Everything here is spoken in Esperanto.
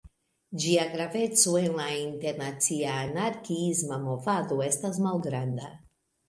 Ĝia graveco en la internacia anarkiisma movado estas malgranda.